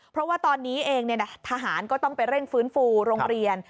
เพราะว่าตอนนี้เองทหารก็ต้องไปเร่งฟื้นฟูโรงเรียน